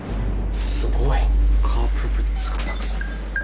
すごい！カープグッズがたくさん。